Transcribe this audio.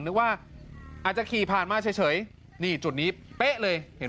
นึกว่าอาจจะขี่ผ่านมาเฉยนี่จุดนี้เป๊ะเลยเห็นไหม